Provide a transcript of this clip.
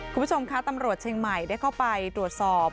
คุณผู้ชมคะตำรวจเชียงใหม่ได้เข้าไปตรวจสอบ